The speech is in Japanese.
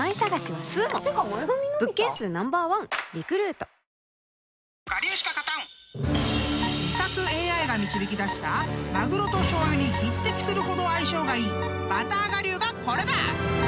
［味覚ＡＩが導き出したマグロとしょうゆに匹敵するほど相性がいいバター我流がこれだ！］